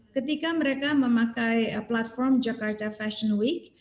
ketika mereka memakai platform jakarta fashion week